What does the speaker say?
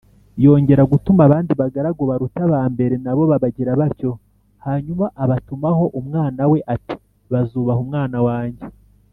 yongera gutuma abandi bagaragu baruta aba mbere, na bo babagira batyo hanyuma abatumaho umwana we ati ‘bazubaha umwana wanjye’